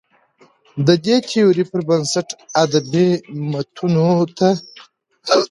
د دې تيورۍ پر بنسټ ادبي متونو ته